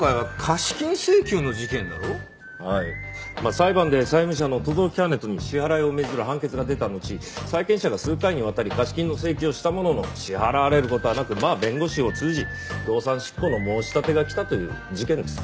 裁判で債務者の轟木羽人に支払いを命ずる判決が出たのち債権者が数回にわたり貸金の請求をしたものの支払われる事はなくまあ弁護士を通じ動産執行の申し立てが来たという事件です。